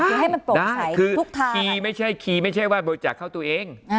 ได้ให้มันโปร่งใสทุกทางคือคีย์ไม่ใช่คีย์ไม่ใช่ว่าบริจาคเข้าตัวเอง